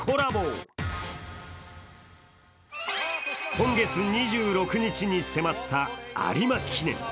今月２６日に迫った有馬記念。